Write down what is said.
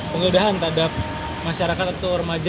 penggeledahan terhadap masyarakat atau remaja